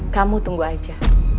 kamu tunggu aja